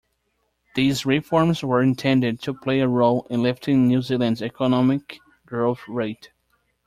These reforms were intended to play a role in lifting New Zealand's economic growth-rate.